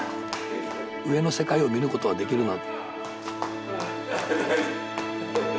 上の世界を見ることはできるな。